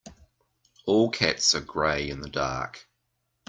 All cats are grey in the dark.